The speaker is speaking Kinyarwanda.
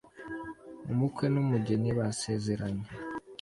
Umukwe n'umugeni basezeranye